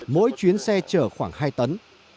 mỗi chuyến xe chở khoảng hai tấn